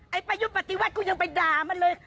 ประยุทธ์ปฏิวัติกูยังไปด่ามันเลย